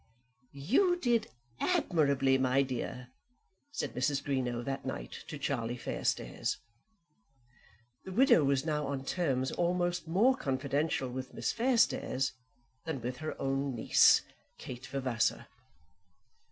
"You did it admirably, my dear," said Mrs. Greenow that night to Charlie Fairstairs. The widow was now on terms almost more confidential with Miss Fairstairs than with her own niece, Kate Vavasor.